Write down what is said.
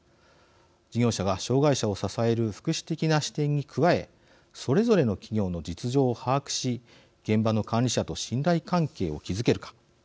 事業者が障害者を支える福祉的な視点に加えそれぞれの企業の実情を把握し現場の管理者と信頼関係を築けるか。